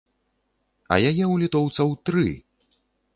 А яе ў літоўцаў тры!